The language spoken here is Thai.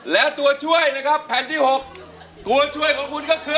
และตัวช่วยนะครับแผ่นที่๖ตัวช่วยของคุณก็คือ